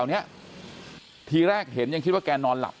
ก็นอนอยู่แถวเนี้ยทีแรกเห็นยังคิดว่าแกนอนหลับ